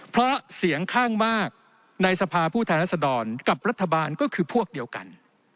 เพราะเสียงข้างมากในสภาผู้แทนรัศดรกับรัฐบาลก็คือพวกเดียวกัน